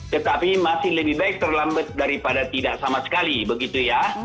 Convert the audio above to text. tetapi masih lebih baik terlambat daripada tidak sama sekali begitu ya